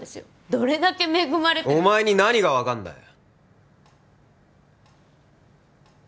どれだけ恵まれてお前に何がわかるんだよ！